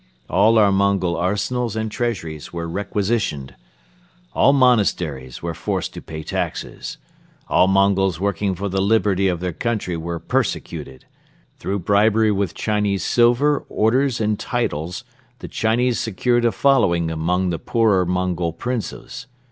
All our Mongol arsenals and treasuries were requisitioned. All monasteries were forced to pay taxes; all Mongols working for the liberty of their country were persecuted; through bribery with Chinese silver, orders and titles the Chinese secured a following among the poorer Mongol Princes.